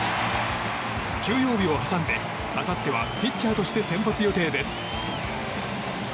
休養日を挟んで、あさってはピッチャーとして先発予定です。